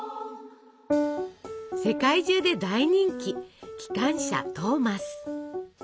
世界中で大人気「きかんしゃトーマス」。